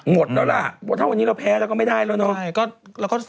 หมดแล้วล่ะว่าถ้าวันนี้เราแพ้เราก็ไม่ได้แล้วเนาะ